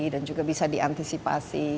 dan juga bisa diantisipasi